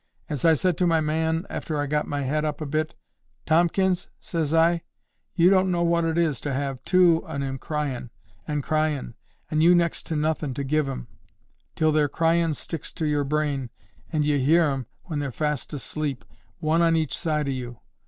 As I said to my man after I got my head up a bit, 'Tomkins,' says I, 'you don't know what it is to have TWO on 'em cryin' and cryin', and you next to nothin' to give 'em; till their cryin' sticks to your brain, and ye hear 'em when they're fast asleep, one on each side o' you.